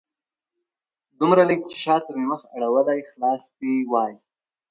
دومره لږ چې شاته مې مخ اړولی خلاص دې وای